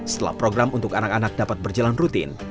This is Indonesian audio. setelah program untuk anak anak dapat berjalan rutin